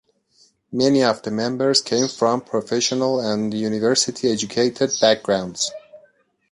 Many of the members came from professional and university-educated backgrounds.